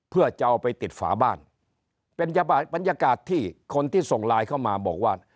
เพื่อจะเอาไปติดฝาบ้านเป็นบรรยากาศที่คนที่ส่งไลน์เข้ามาบอกว่า